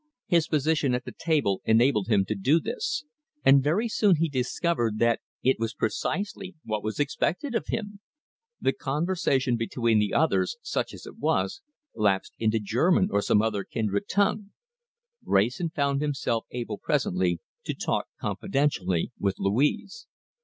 His position at the table enabled him to do this, and very soon he discovered that it was precisely what was expected of him. The conversation between the others, such as it was, lapsed into German, or some kindred tongue. Wrayson found himself able presently to talk confidentially with Louise.